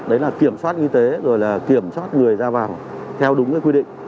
đó là kiểm soát y tế rồi là kiểm soát người ra vào theo đúng quy định